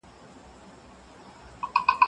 ناسم پخلی خطر زیاتوي.